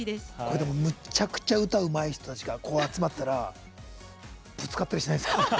でも、めちゃくちゃ歌がうまい人たちが集まったらぶつかったりしないんですか？